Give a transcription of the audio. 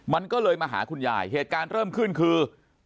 มันก็เลยมาหาคุณยายเหตุการณ์เริ่มขึ้นคือ